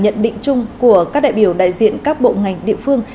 đây là nhận định chung của các đại biểu đại diện các bộ ngành địa phương